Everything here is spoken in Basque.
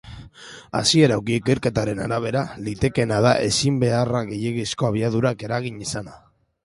Hasierako ikerketaren arabera, litekeena da ezbeharra gehiegizko abiadurak eragin izana.